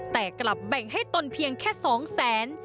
แต่กลับแบ่งให้ตนเพียงแค่๒แสน